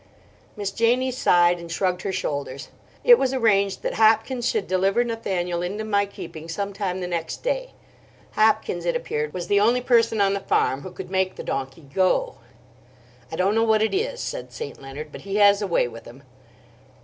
Miss Janie sighed and shrugged her shoulders. It was arranged that Hopkins should deliver Nathaniel into my keeping some time the next day. Hopkins, it appeared, was the only person on the farm who could make the donkey go. "I don't know what it is," said St. Leonard, "but he has a way with him."